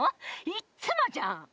いっつもじゃん！